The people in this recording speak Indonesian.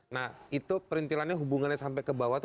nah itu perintilannya hubungannya sampai ke bawah